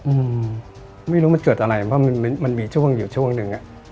อืมไม่รู้มันเกิดอะไรเพราะมันมันมีช่วงอยู่ช่วงหนึ่งอ่ะ